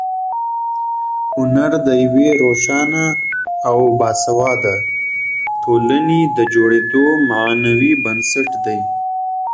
هنر د یوې روښانه او باسواده ټولنې د جوړېدو معنوي بنسټ دی.